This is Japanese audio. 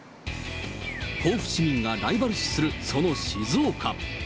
甲府市民がライバル視するその静岡。